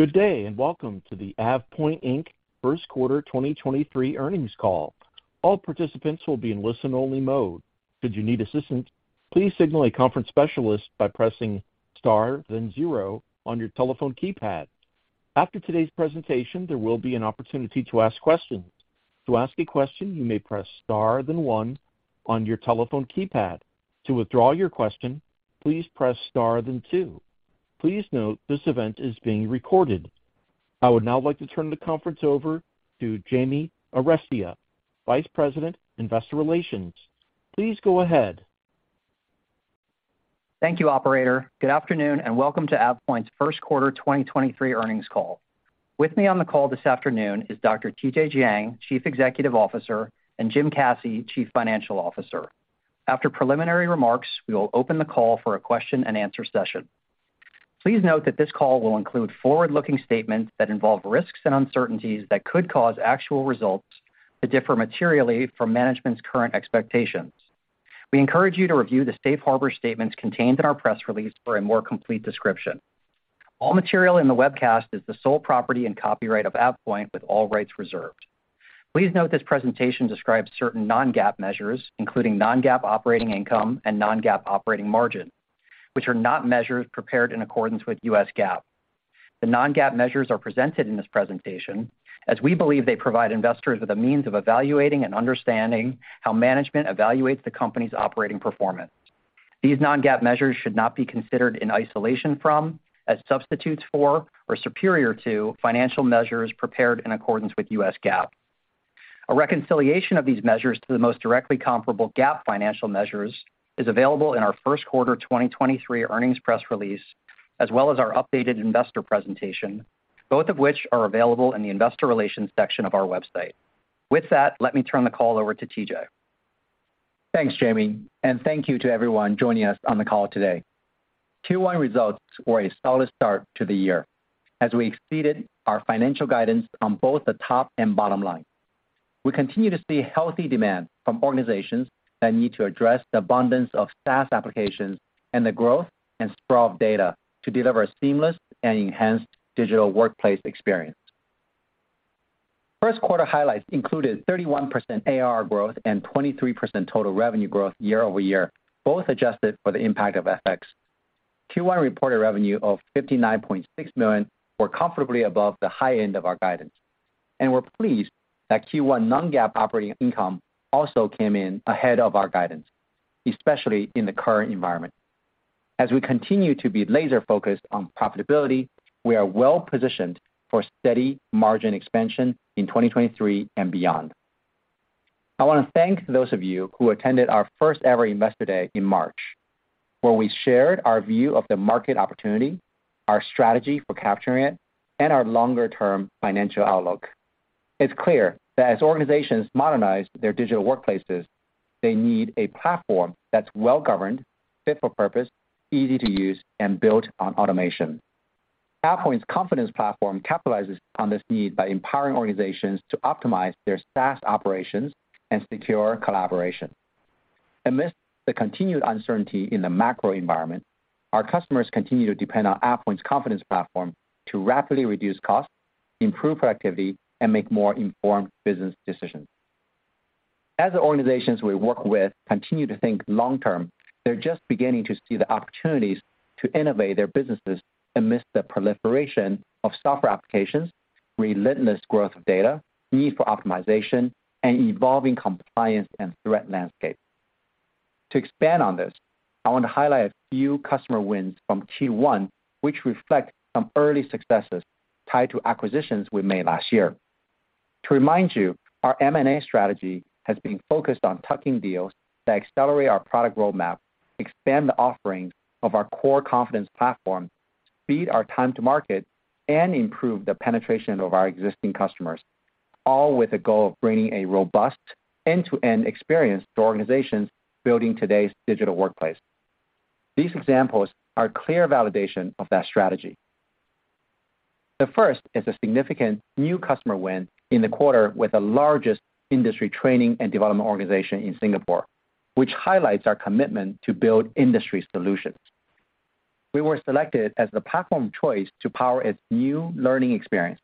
Good day, welcome to the AvePoint, Inc. first quarter 2023 earnings call. All participants will be in listen-only mode. Should you need assistance, please signal a conference specialist by pressing star, then zero on your telephone keypad. After today's presentation, there will be an opportunity to ask questions. To ask a question, you may press star than one on your telephone keypad. To withdraw your question, please press star than two. Please note this event is being recorded. I would now like to turn the conference over to Jamie Arestia, Vice President, Investor Relations. Please go ahead. Thank you, operator. Good afternoon, and welcome to AvePoint's first quarter 2023 earnings call. With me on the call this afternoon is Dr. Tianyi Jiang, Chief Executive Officer, and James Caci, Chief Financial Officer. After preliminary remarks, we will open the call for a question-and-answer session. Please note that this call will include forward-looking statements that involve risks and uncertainties that could cause actual results to differ materially from management's current expectations. We encourage you to review the safe harbor statements contained in our press release for a more complete description. All material in the webcast is the sole property and copyright of AvePoint with all rights reserved. Please note this presentation describes certain non-GAAP measures, including non-GAAP operating income and non-GAAP operating margin, which are not measured, prepared in accordance with U.S. GAAP. The non-GAAP measures are presented in this presentation as we believe they provide investors with a means of evaluating and understanding how management evaluates the company's operating performance. These non-GAAP measures should not be considered in isolation from, as substitutes for, or superior to financial measures prepared in accordance with U.S. GAAP. A reconciliation of these measures to the most directly comparable GAAP financial measures is available in our first quarter 2023 earnings press release, as well as our updated investor presentation, both of which are available in the investor relations section of our website. Let me turn the call over to TJ. Thanks, Jamie. Thank you to everyone joining us on the call today. Q1 results were a solid start to the year as we exceeded our financial guidance on both the top and bottom line. We continue to see healthy demand from organizations that need to address the abundance of SaaS applications and the growth and sprawl of data to deliver a seamless and enhanced digital workplace experience. First quarter highlights included 31% ARR growth and 23% total revenue growth year-over-year, both adjusted for the impact of FX. Q1 reported revenue of $59.6 million were comfortably above the high end of our guidance. We're pleased that Q1 non-GAAP operating income also came in ahead of our guidance, especially in the current environment. We continue to be laser-focused on profitability, we are well-positioned for steady margin expansion in 2023 and beyond. I wanna thank those of you who attended our first ever Investor Day in March, where we shared our view of the market opportunity, our strategy for capturing it, and our longer-term financial outlook. It's clear that as organizations modernize their digital workplaces, they need a platform that's well-governed, fit for purpose, easy to use, and built on automation. AvePoint's Confidence Platform capitalizes on this need by empowering organizations to optimize their SaaS operations and secure collaboration. Amidst the continued uncertainty in the macro environment, our customers continue to depend on AvePoint's Confidence Platform to rapidly reduce costs, improve productivity, and make more informed business decisions. As the organizations we work with continue to think long term, they're just beginning to see the opportunities to innovate their businesses amidst the proliferation of software applications, relentless growth of data, need for optimization, and evolving compliance and threat landscape. To expand on this, I want to highlight a few customer wins from Q1, which reflect some early successes tied to acquisitions we made last year. To remind you, our M&A strategy has been focused on tucking deals that accelerate our product roadmap, expand the offerings of our core Confidence Platform, speed our time to market, and improve the penetration of our existing customers, all with the goal of bringing a robust end-to-end experience to organizations building today's digital workplace. These examples are clear validation of that strategy. The first is a significant new customer win in the quarter with the largest industry training and development organization in Singapore, which highlights our commitment to build industry solutions. We were selected as the platform of choice to power its new learning experience,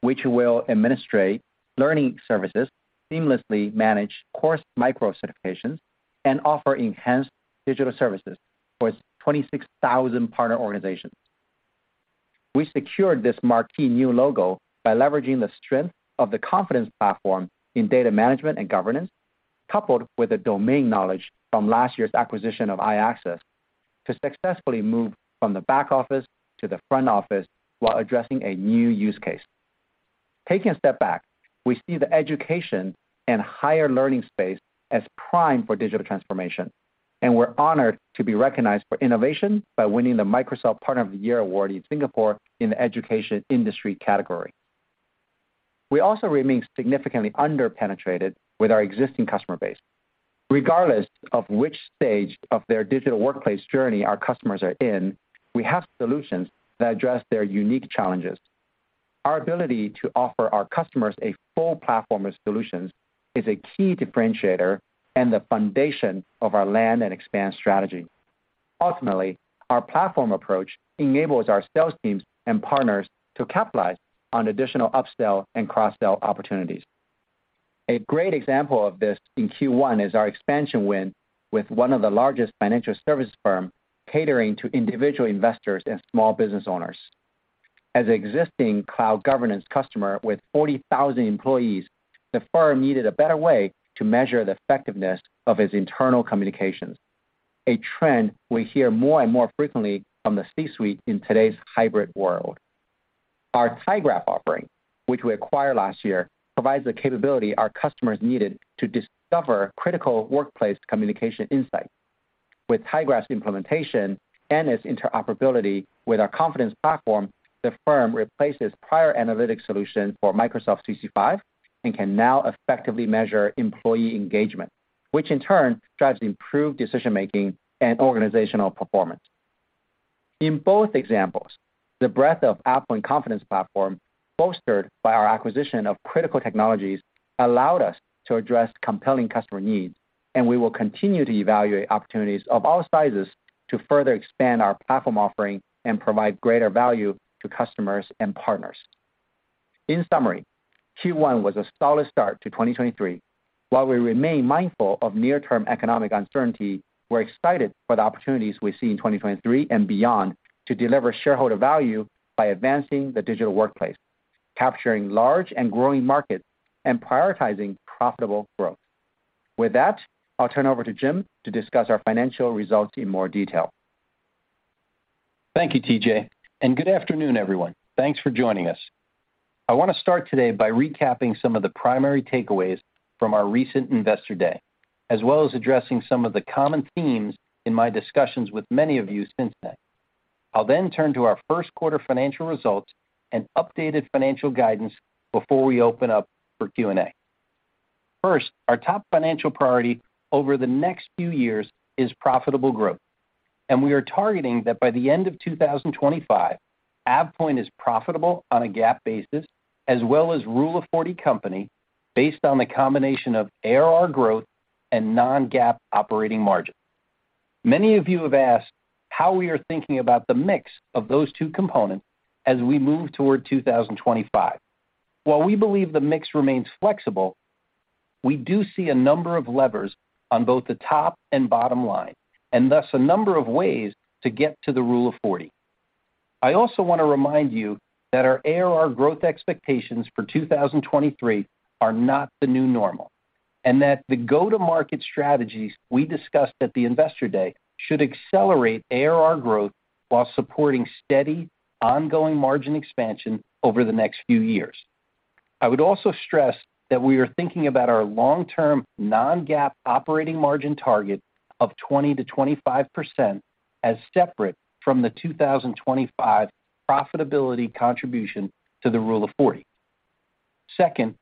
which will administrate learning services, seamlessly manage course micro-certifications, and offer enhanced digital services for its 26,000 partner organizations. We secured this marquee new logo by leveraging the strength of the Confidence Platform in data management and governance, coupled with the domain knowledge from last year's acquisition of i-Access Solutions, to successfully move from the back office to the front office while addressing a new use case. Taking a step back, we see the education and higher learning space as prime for digital transformation. We're honored to be recognized for innovation by winning the Microsoft Partner of the Year award in Singapore in the education industry category. We also remain significantly under-penetrated with our existing customer base. Regardless of which stage of their digital workplace journey our customers are in, we have solutions that address their unique challenges. Our ability to offer our customers a full platform of solutions is a key differentiator and the foundation of our land and expand strategy. Ultimately, our platform approach enables our sales teams and partners to capitalize on additional upsell and cross-sell opportunities. A great example of this in Q1 is our expansion win with one of the largest financial service firm catering to individual investors and small business owners. As existing cloud governance customer with 40,000 employees, the firm needed a better way to measure the effectiveness of its internal communications, a trend we hear more and more frequently from the C-suite in today's hybrid world. Our tyGraph offering, which we acquired last year, provides the capability our customers needed to discover critical workplace communication insight. With tyGraph's implementation and its interoperability with our Confidence Platform, the firm replaces prior analytic solution for Microsoft 365 and can now effectively measure employee engagement, which in turn drives improved decision-making and organizational performance. In both examples, the breadth of AvePoint Confidence Platform, bolstered by our acquisition of critical technologies, allowed us to address compelling customer needs. We will continue to evaluate opportunities of all sizes to further expand our platform offering and provide greater value to customers and partners. In summary, Q1 was a solid start to 2023. While we remain mindful of near-term economic uncertainty, we're excited for the opportunities we see in 2023 and beyond to deliver shareholder value by advancing the digital workplace, capturing large and growing markets, and prioritizing profitable growth. With that, I'll turn over to Jim to discuss our financial results in more detail. Thank you, TJ. Good afternoon, everyone. Thanks for joining us. I want to start today by recapping some of the primary takeaways from our recent Investor Day, as well as addressing some of the common themes in my discussions with many of you since then. I'll turn to our first quarter financial results and updated financial guidance before we open up for Q&A. First, our top financial priority over the next few years is profitable growth. We are targeting that by the end of 2025, AvePoint is profitable on a GAAP basis, as well as Rule of 40 company based on the combination of ARR growth and non-GAAP operating margin. Many of you have asked how we are thinking about the mix of those two components as we move toward 2025. While we believe the mix remains flexible, we do see a number of levers on both the top and bottom line, and thus a number of ways to get to the Rule of 40. I also want to remind you that our ARR growth expectations for 2023 are not the new normal, and that the go-to-market strategies we discussed at the Investor Day should accelerate ARR growth while supporting steady, ongoing margin expansion over the next few years. I would also stress that we are thinking about our long-term non-GAAP operating margin target of 20%-25% as separate from the 2025 profitability contribution to the Rule of 40. Second,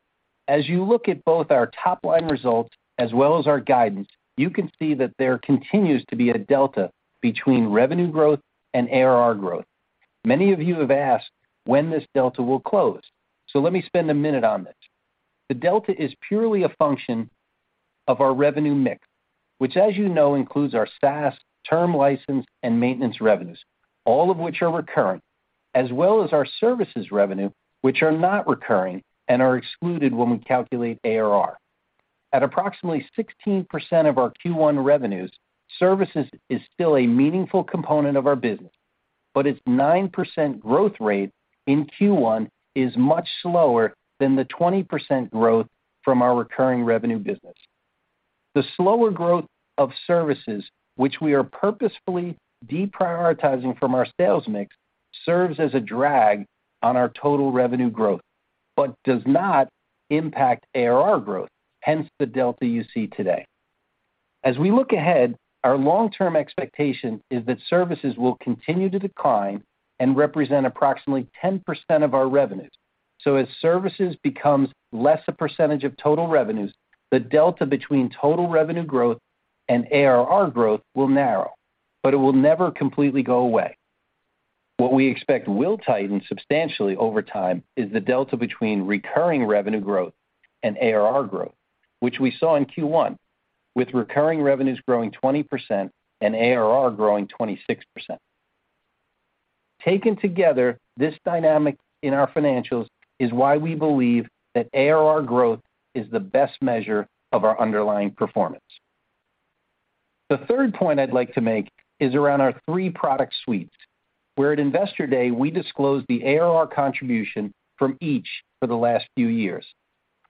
as you look at both our top-line results as well as our guidance, you can see that there continues to be a delta between revenue growth and ARR growth. Many of you have asked when this delta will close. Let me spend a minute on this. The delta is purely a function of our revenue mix, which as you know, includes our SaaS, term license, and maintenance revenues, all of which are recurring, as well as our services revenue, which are not recurring and are excluded when we calculate ARR. At approximately 16% of our Q1 revenues, services is still a meaningful component of our business, but its 9% growth rate in Q1 is much slower than the 20% growth from our recurring revenue business. The slower growth of services, which we are purposefully deprioritizing from our sales mix, serves as a drag on our total revenue growth, but does not impact ARR growth, hence the delta you see today. We look ahead, our long-term expectation is that services will continue to decline and represent approximately 10% of our revenues. As services becomes less a percentage of total revenues, the delta between total revenue growth and ARR growth will narrow, but it will never completely go away. What we expect will tighten substantially over time is the delta between recurring revenue growth and ARR growth, which we saw in Q1, with recurring revenues growing 20% and ARR growing 26%. Taken together, this dynamic in our financials is why we believe that ARR growth is the best measure of our underlying performance. The third point I'd like to make is around our three product suites, where at Investor Day, we disclosed the ARR contribution from each for the last few years.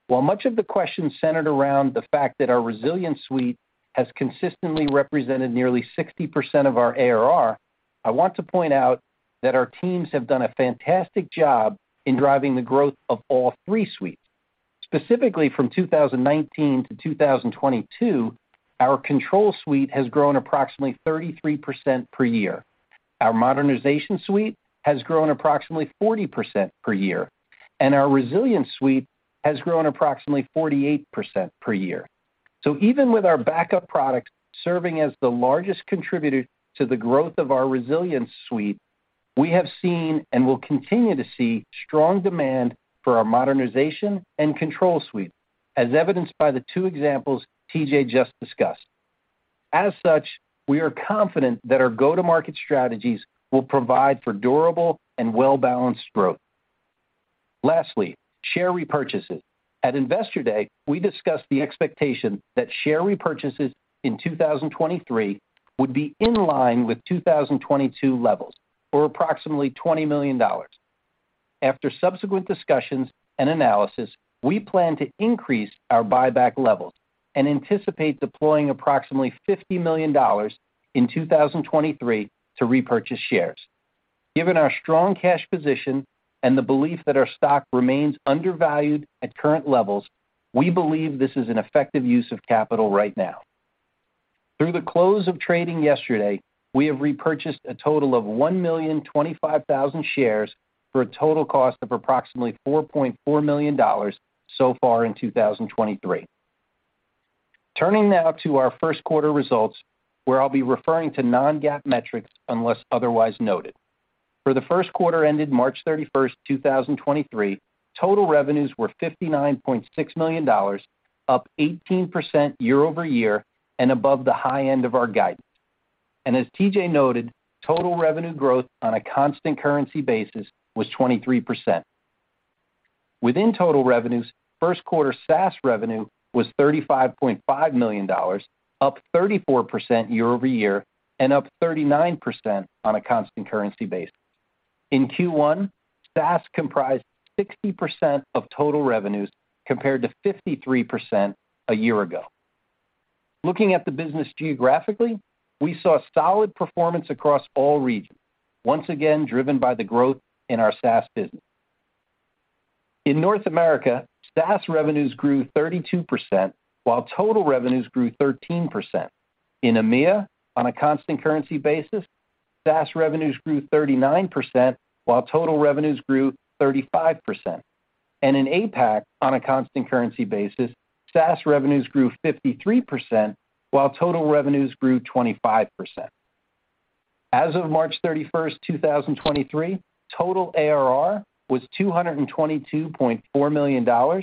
While much of the questions centered around the fact that our Resilience Suite has consistently represented nearly 60% of our ARR, I want to point out that our teams have done a fantastic job in driving the growth of all three suites. Specifically, from 2019 to 2022, our Control Suite has grown approximately 33% per year. Our Modernization Suite has grown approximately 40% per year, and our Resilience Suite has grown approximately 48% per year. Even with our backup products serving as the largest contributor to the growth of our Resilience Suite. We have seen and will continue to see strong demand for our modernization and Control Suite, as evidenced by the two examples TJ just discussed. We are confident that our go-to-market strategies will provide for durable and well-balanced growth. Lastly, share repurchases. At Investor Day, we discussed the expectation that share repurchases in 2023 would be in line with 2022 levels, or approximately $20 million. After subsequent discussions and analysis, we plan to increase our buyback levels and anticipate deploying approximately $50 million in 2023 to repurchase shares. Given our strong cash position and the belief that our stock remains undervalued at current levels, we believe this is an effective use of capital right now. Through the close of trading yesterday, we have repurchased a total of 1,025,000 shares for a total cost of approximately $4.4 million so far in 2023. Turning now to our first quarter results, where I'll be referring to non-GAAP metrics unless otherwise noted. For the first quarter ended March 31, 2023, total revenues were $59.6 million, up 18% year-over-year and above the high end of our guidance. As TJ noted, total revenue growth on a constant currency basis was 23%. Within total revenues, first quarter SaaS revenue was $35.5 million, up 34% year-over-year and up 39% on a constant currency basis. In Q1, SaaS comprised 60% of total revenues, compared to 53% a year ago. Looking at the business geographically, we saw solid performance across all regions, once again driven by the growth in our SaaS business. In North America, SaaS revenues grew 32%, while total revenues grew 13%. In EMEA, on a constant currency basis, SaaS revenues grew 39%, while total revenues grew 35%. In APAC, on a constant currency basis, SaaS revenues grew 53%, while total revenues grew 25%. As of March 31, 2023, total ARR was $222.4 million,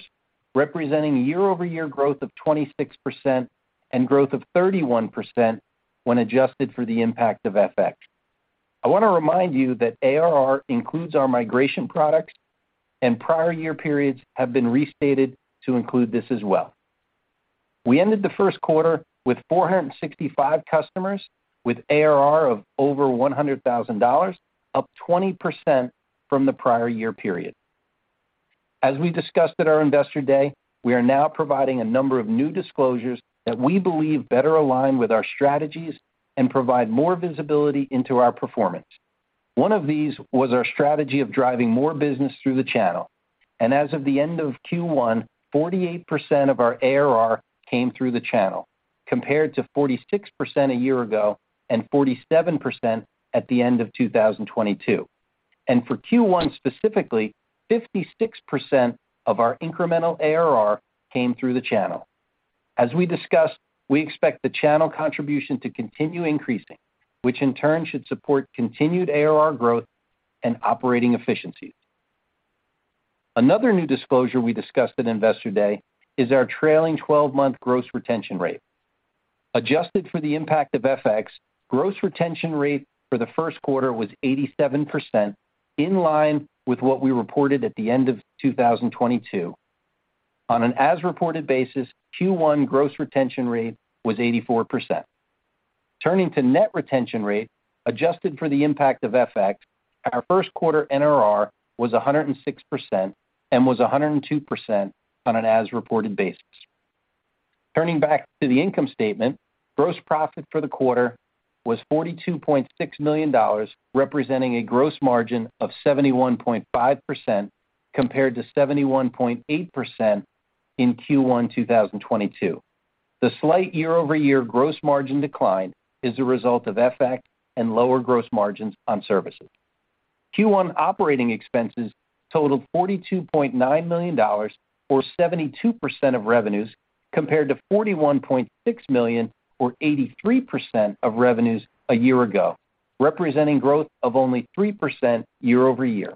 representing a year-over-year growth of 26% and growth of 31% when adjusted for the impact of FX. I want to remind you that ARR includes our migration products and prior year periods have been restated to include this as well. We ended the first quarter with 465 customers with ARR of over $100,000, up 20% from the prior year period. As we discussed at our Investor Day, we are now providing a number of new disclosures that we believe better align with our strategies and provide more visibility into our performance. One of these was our strategy of driving more business through the channel. As of the end of Q1, 48% of our ARR came through the channel, compared to 46% a year ago and 47% at the end of 2022. For Q1 specifically, 56% of our incremental ARR came through the channel. As we discussed, we expect the channel contribution to continue increasing, which in turn should support continued ARR growth and operating efficiencies. Another new disclosure we discussed at Investor Day is our trailing 12-month gross retention rate. Adjusted for the impact of FX, gross retention rate for the first quarter was 87%, in line with what we reported at the end of 2022. On an as-reported basis, Q1 gross retention rate was 84%. Turning to Net Retention Rate, adjusted for the impact of FX, our first quarter NRR was 106% and was 102% on an as-reported basis. Turning back to the income statement, gross profit for the quarter was $42.6 million, representing a gross margin of 71.5% compared to 71.8% in Q1 2022. The slight year-over-year gross margin decline is the result of FX and lower gross margins on services. Q1 operating expenses totaled $42.9 million or 72% of revenues, compared to $41.6 million or 83% of revenues a year ago, representing growth of only 3% year-over-year.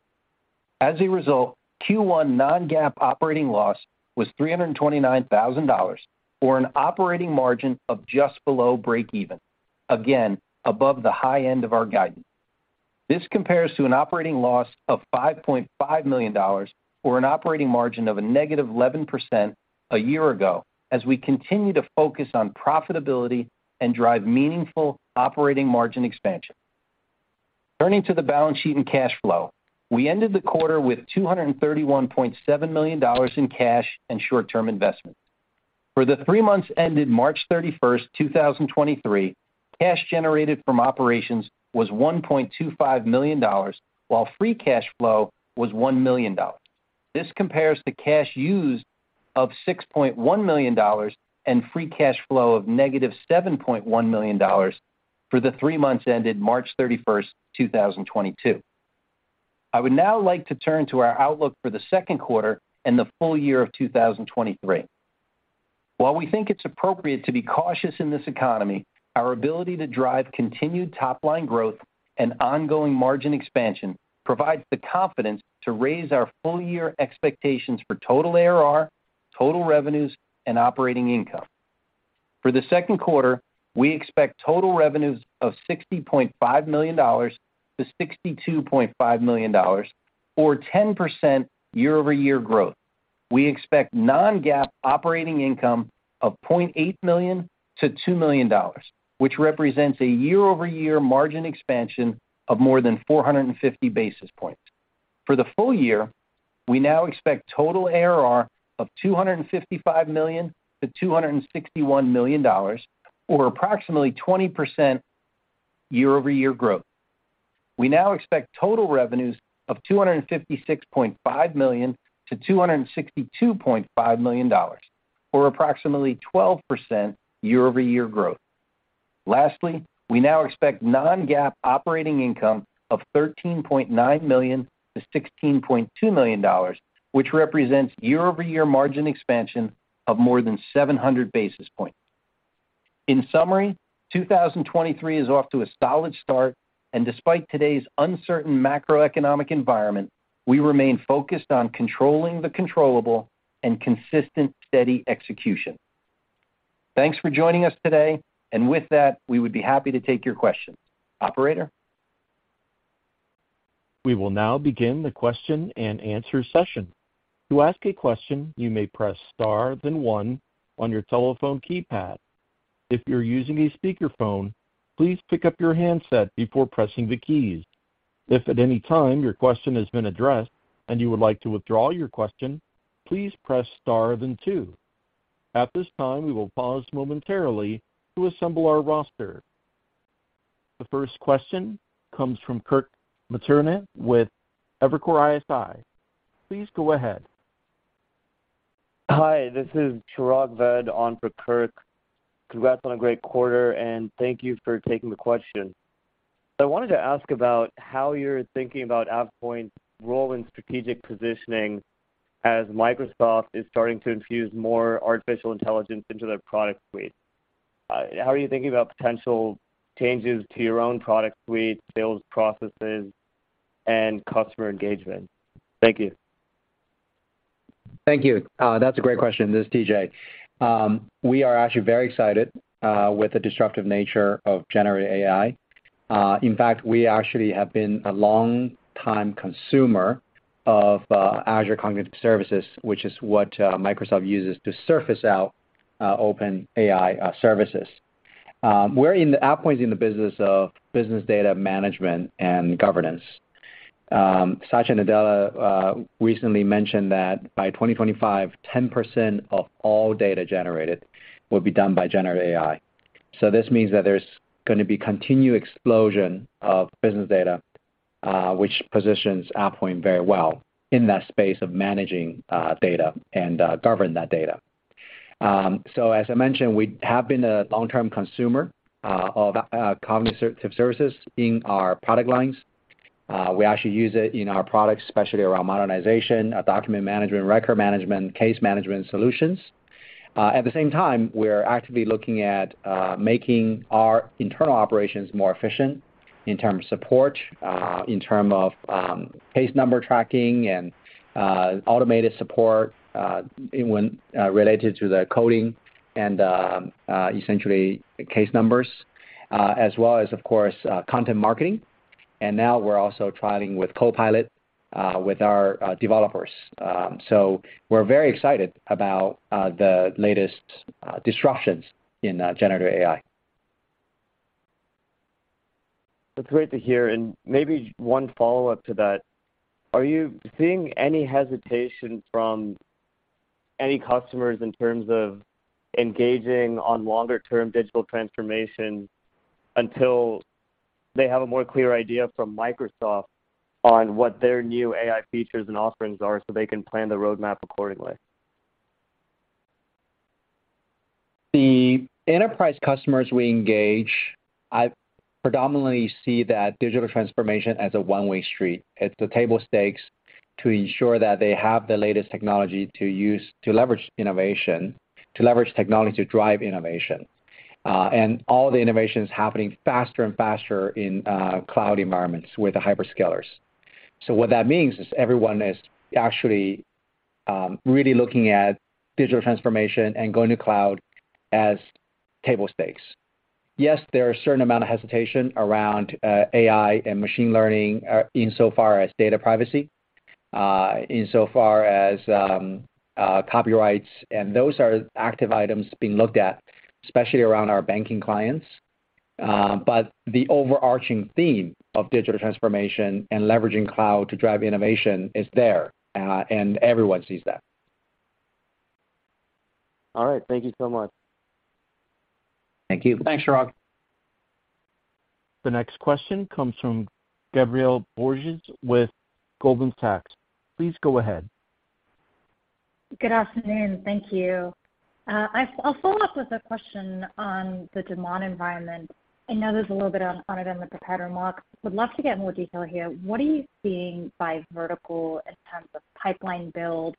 Q1 non-GAAP operating loss was $329,000, or an operating margin of just below breakeven, again, above the high end of our guidance. This compares to an operating loss of $5.5 million, or an operating margin of a negative 11% a year ago as we continue to focus on profitability and drive meaningful operating margin expansion. Turning to the balance sheet and cash flow, we ended the quarter with $231.7 million in cash and short-term investments. For the three months ended March 31, 2023, cash generated from operations was $1.25 million, while free cash flow was $1 million. This compares to cash used of $6.1 million and free cash flow of negative $7.1 million for the three months ended March 31, 2022. I would now like to turn to our outlook for the second quarter and the full year of 2023. While we think it's appropriate to be cautious in this economy, our ability to drive continued top-line growth and ongoing margin expansion provides the confidence to raise our full year expectations for total ARR, total revenues, and operating income. For the second quarter, we expect total revenues of $60.5 million-$62.5 million or 10% year-over-year growth. We expect non-GAAP operating income of $0.8 million-$2 million, which represents a year-over-year margin expansion of more than 450 basis points. For the full year, we now expect total ARR of $255 million-$261 million or approximately 20% year-over-year growth. We now expect total revenues of $256.5 million-$262.5 million or approximately 12% year-over-year growth. Lastly, we now expect non-GAAP operating income of $13.9 million-$16.2 million, which represents year-over-year margin expansion of more than 700 basis points. In summary, 2023 is off to a solid start. Despite today's uncertain macroeconomic environment, we remain focused on controlling the controllable and consistent, steady execution. Thanks for joining us today. With that, we would be happy to take your questions. Operator? We will now begin the question and answer session. To ask a question, you may press star then one on your telephone keypad. If you're using a speakerphone, please pick up your handset before pressing the keys. If at any time your question has been addressed and you would like to withdraw your question, please press star then two. At this time, we will pause momentarily to assemble our roster. The first question comes from Kirk Materne with Evercore ISI. Please go ahead. Hi, this is Chirag Ved on for Kirk. Congrats on a great quarter, and thank you for taking the question. I wanted to ask about how you're thinking about AvePoint's role in strategic positioning as Microsoft is starting to infuse more artificial intelligence into their product suite. How are you thinking about potential changes to your own product suite, sales processes, and customer engagement? Thank you. Thank you. That's a great question. This is TJ. We are actually very excited with the disruptive nature of generative AI. In fact, we actually have been a long time consumer of Azure Cognitive Services, which is what Microsoft uses to surface out OpenAI services. AvePoint's in the business of business data management and governance. Satya Nadella recently mentioned that by 2025, 10% of all data generated will be done by generative AI. This means that there's gonna be continued explosion of business data, which positions AvePoint very well in that space of managing data and govern that data. As I mentioned, we have been a long-term consumer of cognitive services in our product lines. We actually use it in our products, especially around modernization, document management, record management, case management solutions. At the same time, we're actively looking at making our internal operations more efficient in terms of support, in term of case number tracking and automated support, when related to the coding and essentially case numbers, as well as of course, content marketing. Now we're also trialing with Copilot, with our developers. We're very excited about the latest disruptions in generative AI. That's great to hear. Maybe one follow-up to that. Are you seeing any hesitation from any customers in terms of engaging on longer term digital transformation until they have a more clear idea from Microsoft on what their new AI features and offerings are so they can plan the roadmap accordingly? The enterprise customers we engage, I predominantly see that digital transformation as a one-way street. It's the table stakes to ensure that they have the latest technology to use to leverage innovation, to leverage technology to drive innovation. All the innovation is happening faster and faster in cloud environments with the hyperscalers. What that means is everyone is actually really looking at digital transformation and going to cloud as table stakes. Yes, there are a certain amount of hesitation around AI and machine learning in so far as data privacy, in so far as copyrights, and those are active items being looked at, especially around our banking clients. The overarching theme of digital transformation and leveraging cloud to drive innovation is there, and everyone sees that. All right. Thank you so much. Thank you. Thanks, Chirag. The next question comes from Gabriela Borges with Goldman Sachs. Please go ahead. Good afternoon. Thank you. I'll follow up with a question on the demand environment. I know there's a little bit on it in the prepared remarks. Would love to get more detail here. What are you seeing by vertical and Pipeline build.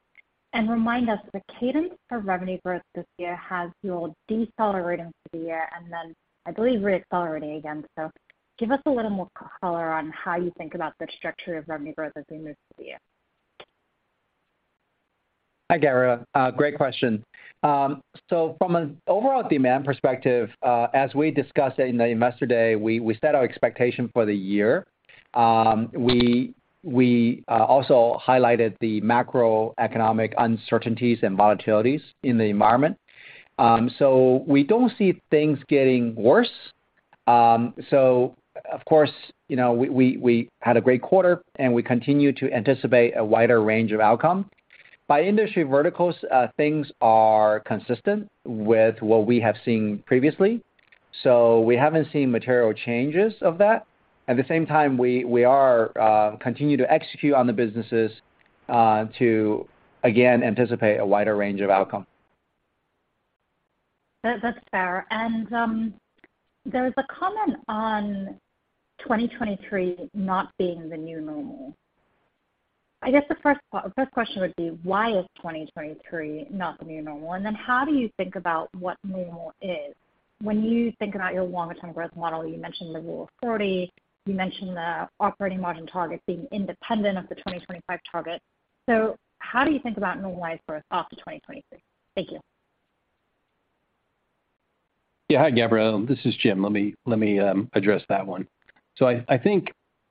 Remind us, the cadence of revenue growth this year has you all decelerating through the year, and then I believe re-accelerating again. Give us a little more color on how you think about the structure of revenue growth as we move through the year. Hi, Gabriela. Great question. From an overall demand perspective, as we discussed in the Investor Day, we set our expectation for the year. We also highlighted the macroeconomic uncertainties and volatilities in the environment. We don't see things getting worse. Of course, you know, we had a great quarter, and we continue to anticipate a wider range of outcome. By industry verticals, things are consistent with what we have seen previously. We haven't seen material changes of that. At the same time, we are continue to execute on the businesses to again, anticipate a wider range of outcome. That's fair. There was a comment on 2023 not being the new normal. I guess the first question would be, why is 2023 not the new normal? How do you think about what normal is? When you think about your longer term growth model, you mentioned the Rule of 40, you mentioned the operating margin target being independent of the 2025 target. How do you think about normalized growth after 2023? Thank you. Hi, Gabriela. This is Jim. Let me address that one. I think,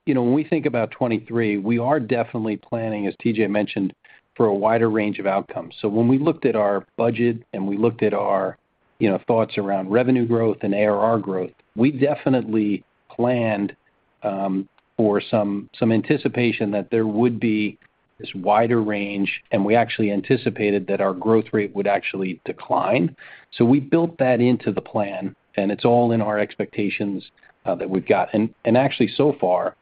you know, when we think about 23, we are definitely planning, as TJ mentioned, for a wider range of outcomes. When we looked at our budget and we looked at our, you know, thoughts around revenue growth and ARR growth, we definitely planned for some anticipation that there would be this wider range, and we actually anticipated that our growth rate would actually decline. We built that into the plan, and it's all in our expectations that we've got. Actually, so far,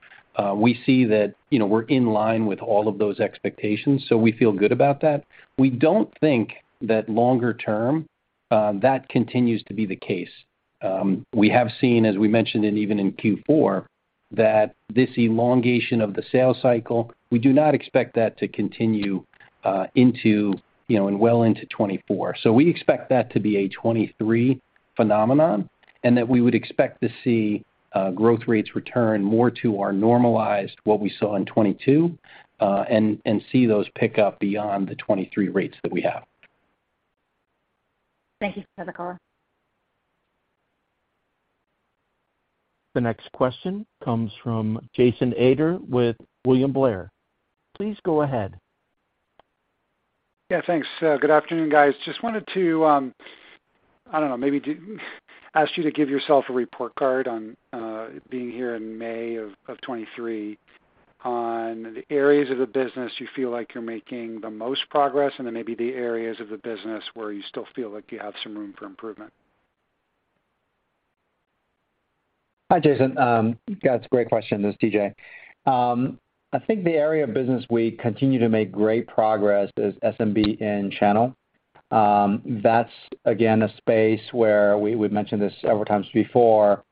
we see that, you know, we're in line with all of those expectations, so we feel good about that. We don't think that longer term, that continues to be the case. We have seen, as we mentioned, and even in Q4, that this elongation of the sales cycle, we do not expect that to continue, into, you know, and well into 2024. We expect that to be a 2023 phenomenon, and that we would expect to see, growth rates return more to our normalized, what we saw in 2022, and see those pick up beyond the 2023 rates that we have. Thank you for the color. The next question comes from Jason Ader with William Blair. Please go ahead. Yeah, thanks. Good afternoon, guys. Just wanted to, I don't know, maybe ask you to give yourself a report card on being here in May of 23 on the areas of the business you feel like you're making the most progress, and then maybe the areas of the business where you still feel like you have some room for improvement? Yeah, it's a great question. This is TJ. I think the area of business we continue to make great progress is SMB and channel. That's again, a space where we've mentioned this several times before.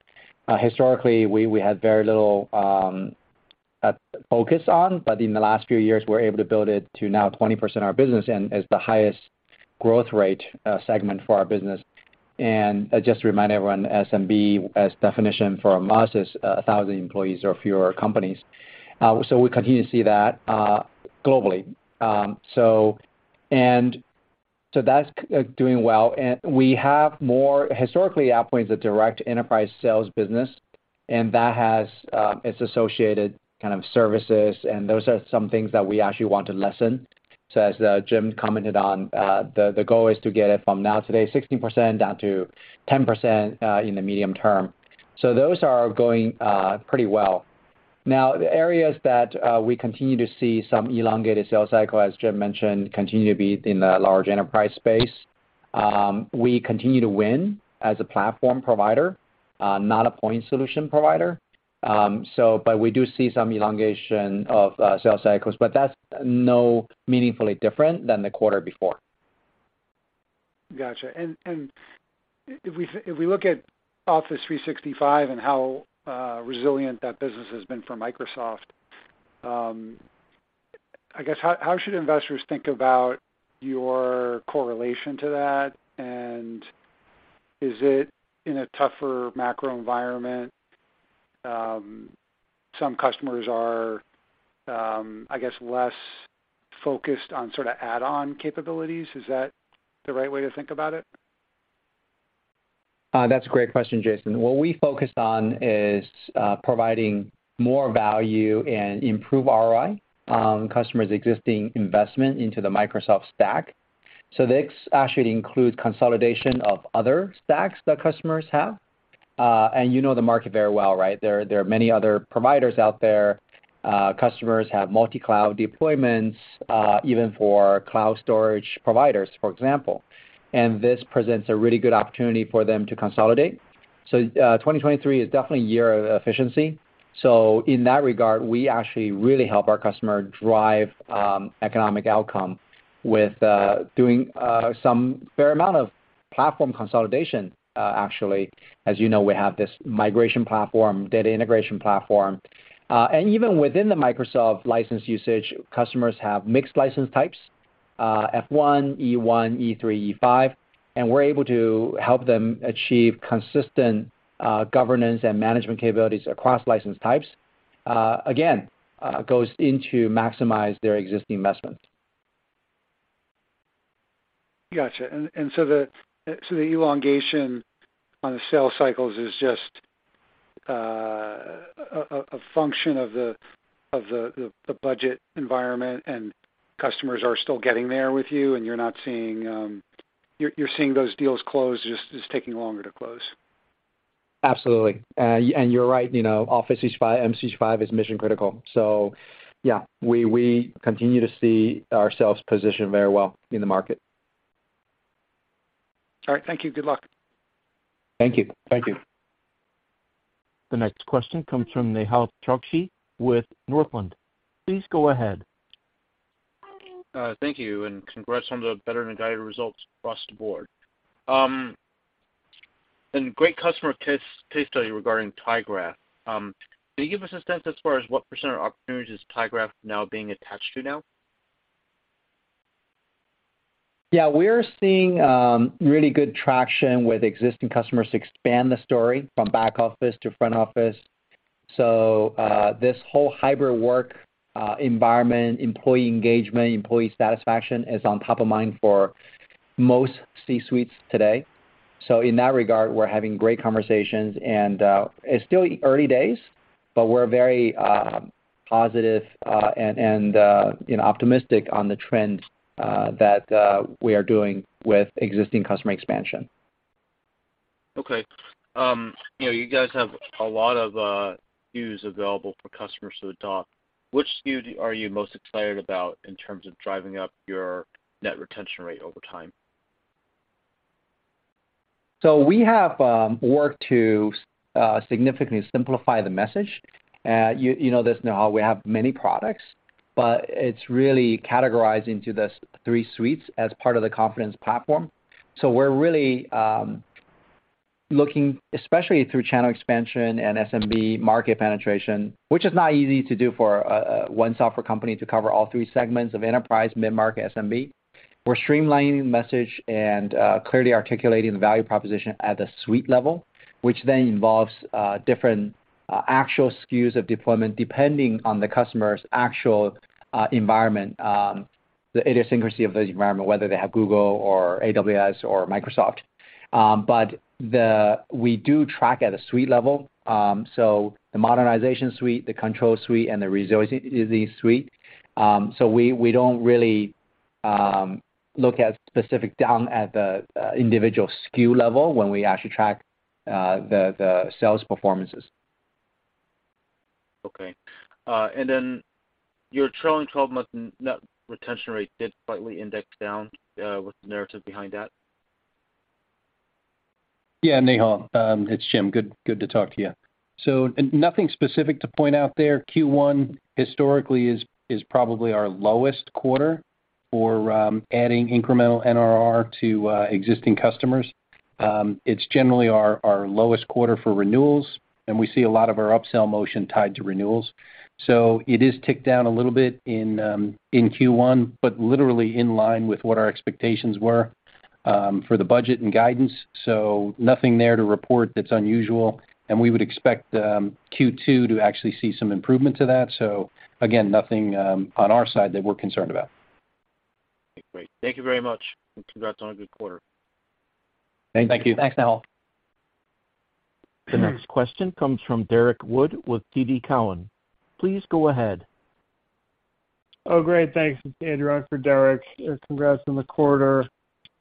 Historically, we had very little focus on, but in the last few years we're able to build it to now 20% of our business and is the highest growth rate segment for our business. Just to remind everyone, SMB, as definition for us, is 1,000 employees or fewer companies. We continue to see that globally. That's doing well. Historically, AvePoint is a direct enterprise sales business, and that has its associated kind of services, and those are some things that we actually want to lessen. As Jim commented on, the goal is to get it from now today, 16%, down to 10% in the medium term. Those are going pretty well. Now, the areas that we continue to see some elongated sales cycle, as Jim mentioned, continue to be in the large enterprise space. We continue to win as a platform provider, not a point solution provider. We do see some elongation of sales cycles, but that's no meaningfully different than the quarter before. Gotcha. If we look at Office 365 and how resilient that business has been for Microsoft, I guess how should investors think about your correlation to that? Is it in a tougher macro environment, some customers are, I guess, less focused on sort of add-on capabilities? Is that the right way to think about it? That's a great question, Jason. What we focused on is providing more value and improve ROI on customers' existing investment into the Microsoft stack. This actually includes consolidation of other stacks that customers have. You know the market very well, right? There are many other providers out there. Customers have multi-cloud deployments, even for cloud storage providers, for example. This presents a really good opportunity for them to consolidate. 2023 is definitely a year of efficiency. In that regard, we actually really help our customer drive economic outcome with doing some fair amount of platform consolidation, actually. As you know, we have this migration platform, data integration platform. Even within the Microsoft license usage, customers have mixed license types, F1, E1, E3, E5, and we're able to help them achieve consistent governance and management capabilities across license types. Again, goes into maximize their existing investment. Gotcha. So the elongation on the sales cycles is just a function of the budget environment and customers are still getting there with you and you're not seeing, you're seeing those deals close, just it's taking longer to close. Absolutely. You're right, you know, Office 365 E5, M365 is mission critical. Yeah, we continue to see ourselves positioned very well in the market. All right, thank you. Good luck. Thank you. Thank you. The next question comes from Nehal Chokshi with Northland. Please go ahead. Thank you, and congrats on the better-than-guided results across the board. Great customer case study regarding tyGraph. Can you give us a sense as far as what percentage of opportunities is tyGraph now being attached to now? Yeah. We're seeing really good traction with existing customers expand the story from back office to front office. This whole hybrid work environment, employee engagement, employee satisfaction is on top of mind for most C-suites today. In that regard, we're having great conversations. It's still early days, but we're very positive and, you know, optimistic on the trends that we are doing with existing customer expansion. Ok. You know, you guys have a lot of SKUs available for customers to adopt. Which SKU are you most excited about in terms of driving up your Net Retention Rate over time? We have worked to significantly simplify the message. You know this, Nehal, we have many products, but it's really categorizing to the three suites as part of the Confidence Platform. We're really looking, especially through channel expansion and SMB market penetration, which is not easy to do for one software company to cover all three segments of enterprise, mid-market, SMB. We're streamlining message and clearly articulating the value proposition at the suite level, which then involves different actual SKUs of deployment depending on the customer's actual environment, the idiosyncrasy of the environment, whether they have Google or AWS or Microsoft. We do track at a suite level, the Modernization Suite, the Control Suite, and the Resilience Suite. We don't really look at specific down at the individual SKU level when we actually track the sales performances. Okay. Then your trailing 12-month Net Retention Rate did slightly index down. What's the narrative behind that? Yeah, Nehal. It's Jim. Good to talk to you. Nothing specific to point out there. Q1 historically is probably our lowest quarter for adding incremental NRR to existing customers. It's generally our lowest quarter for renewals, and we see a lot of our upsell motion tied to renewals. It is ticked down a little bit in Q1, but literally in line with what our expectations were for the budget and guidance. Nothing there to report that's unusual, and we would expect Q2 to actually see some improvement to that. Again, nothing on our side that we're concerned about. Great. Thank you very much, and congrats on a good quarter. Thank you. Thank you. Thanks, Nehal. The next question comes from Derrick Wood with TD Cowen. Please go ahead. Great. Thanks. It's Andrew on for Derrick. Congrats on the quarter.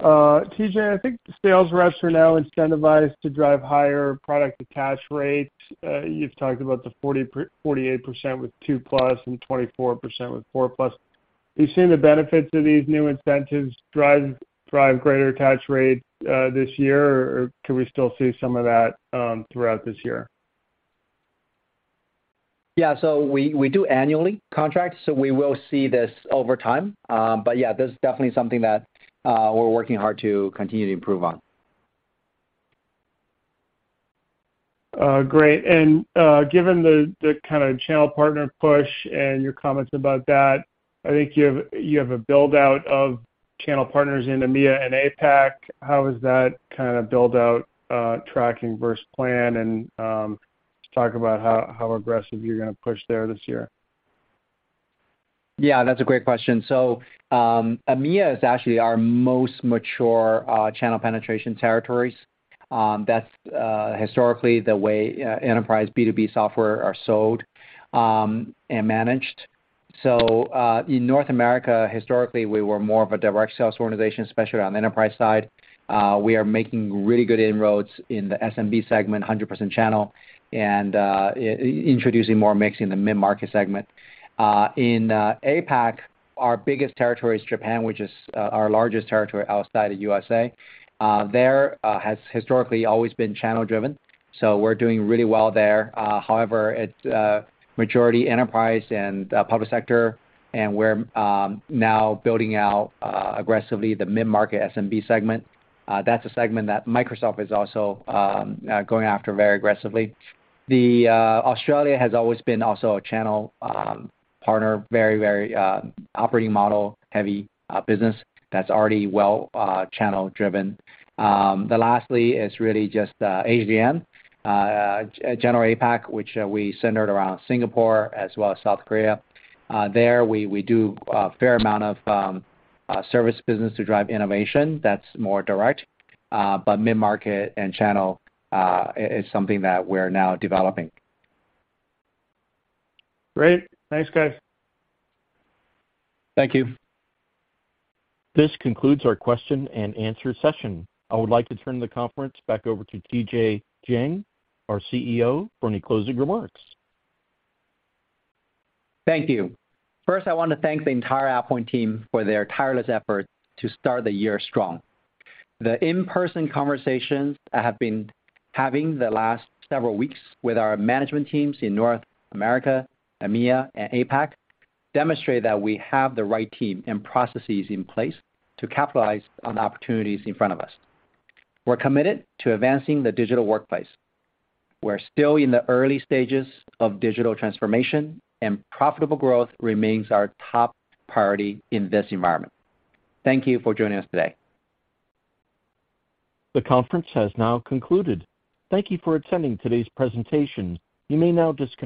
TJ, I think the sales reps are now incentivized to drive higher product attach rates. You've talked about the 48% with two plus and 24% with 4 plus. Are you seeing the benefits of these new incentives drive greater attach rates this year or can we still see some of that throughout this year? Yeah. We do annually contracts, so we will see this over time. Yeah, this is definitely something that we're working hard to continue to improve on. Great. Given the kinda channel partner push and your comments about that, I think you have a build-out of channel partners in EMEA and APAC. How is that kinda build-out tracking versus plan? Just talk about how aggressive you're gonna push there this year. Yeah, that's a great question. EMEA is actually our most mature channel penetration territories. That's historically the way enterprise B2B software are sold and managed. In North America, historically, we were more of a direct sales organization, especially on the enterprise side. We are making really good inroads in the SMB segment, 100% channel, and introducing more mix in the mid-market segment. In APAC, our biggest territory is Japan, which is our largest territory outside of U.S.A. There has historically always been channel-driven, so we're doing really well there. However, it's majority enterprise and public sector, and we're now building out aggressively the mid-market SMB segment. That's a segment that Microsoft is also going after very aggressively. Australia has always been also a channel partner, very, very operating model heavy business that's already well channel driven. Lastly is really just AGM, general APAC, which we centered around Singapore as well as South Korea. There we do a fair amount of service business to drive innovation that's more direct. But mid-market and channel is something that we're now developing. Great. Thanks, guys. Thank you. This concludes our question and answer session. I would like to turn the conference back over to Tianyi Jiang, our CEO, for any closing remarks. Thank you. First, I want to thank the entire AvePoint team for their tireless efforts to start the year strong. The in-person conversations I have been having the last several weeks with our management teams in North America, EMEA, and APAC demonstrate that we have the right team and processes in place to capitalize on the opportunities in front of us. We're committed to advancing the digital workplace. We're still in the early stages of digital transformation. Profitable growth remains our top priority in this environment. Thank you for joining us today. The conference has now concluded. Thank you for attending today's presentation. You may now disconnect.